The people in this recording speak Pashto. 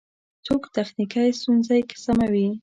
څوک تخنیکی ستونزی سموي؟